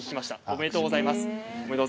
おめでとうございます。